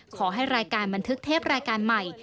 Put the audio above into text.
ขอให้รายการบันทึกเทปรายการใหม่